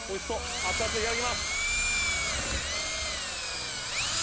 熱々をいただきます。